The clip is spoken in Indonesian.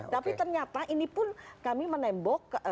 tapi ternyata ini pun kami menembok